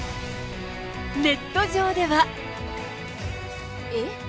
ネット上では。